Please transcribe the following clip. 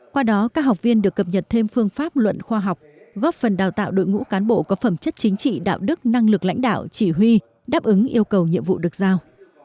qua đó các học viên được cập nhật thêm phương pháp luận khoa học góp phần đào tạo đội ngũ cán bộ có phẩm chất chính trị đạo đức năng lực lãnh đạo chỉ huy đáp ứng yêu cầu nhiệm vụ được giao